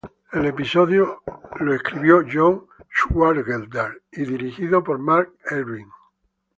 El episodio fue escrito por John Swartzwelder y dirigido por Mark Ervin.